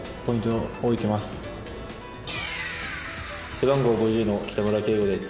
背番号５０の北村恵吾です。